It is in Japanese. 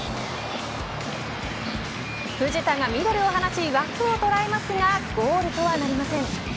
藤田がミドルを放ち枠を捉えますがゴールとはなりません。